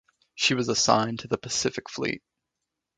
She was assigned to the Pacific Fleet.